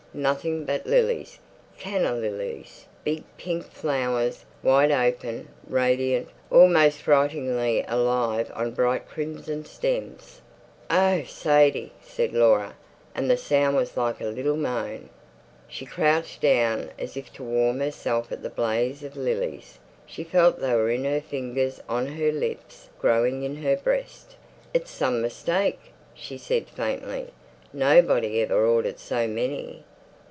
Nothing but lilies—canna lilies, big pink flowers, wide open, radiant, almost frighteningly alive on bright crimson stems. "O oh, Sadie!" said Laura, and the sound was like a little moan. She crouched down as if to warm herself at that blaze of lilies; she felt they were in her fingers, on her lips, growing in her breast. "It's some mistake," she said faintly. "Nobody ever ordered so many.